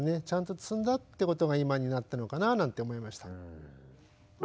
ちゃんと積んだってことが今になったのかななんて思いました。